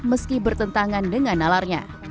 meski bertentangan dengan alarnya